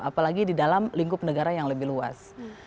apalagi di dalam lingkup negara yang lebih luas